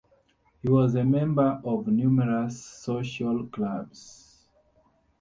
He was a member of numerous social clubs.